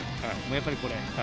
やっぱりこれ。